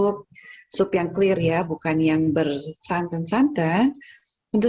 makanya dipanggang atau dishub sub sub yang understanding ya bukan yang bersantan tantan untuk